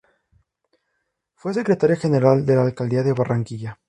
Fue secretaria general de la Alcaldía de Barranquilla.